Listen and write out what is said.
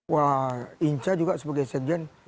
wah inca juga sebagai sekjen